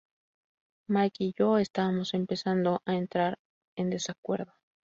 Mick y yo estábamos empezando a entrar en desacuerdo".